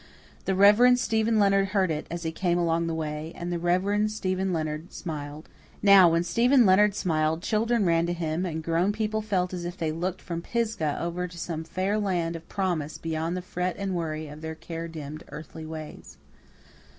The Reverend Stephen Leonard heard it, as he came along the way, and the Reverend Stephen Leonard smiled. Now, when Stephen Leonard smiled, children ran to him, and grown people felt as if they looked from Pisgah over to some fair land of promise beyond the fret and worry of their care dimmed earthly lives.